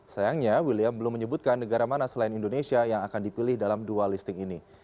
sayangnya william belum menyebutkan negara mana selain indonesia yang akan dipilih dalam dua listing ini